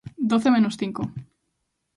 Doce menos cinco.